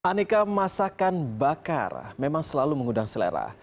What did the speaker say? aneka masakan bakar memang selalu mengundang selera